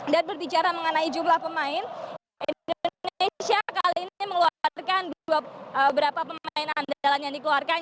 dan berbicara mengenai jumlah pemain indonesia kali ini mengeluarkan beberapa pemain andalan yang dikeluarkan